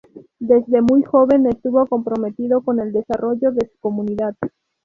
Desde muy joven estuvo comprometido con el desarrollo de su comunidad.